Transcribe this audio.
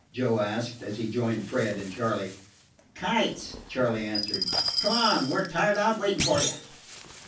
Joe asked, as he joined Fred and Charley. "Kites," Charley answered. "Come on. We 're tired out waiting for you."